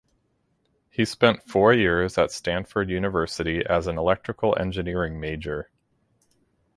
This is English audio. He spent four years at Stanford University as an electrical engineering major.